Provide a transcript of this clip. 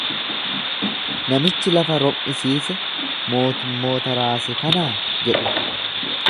Namichi lafa rom’isiise, mootummoota raase kanaa? jedhu.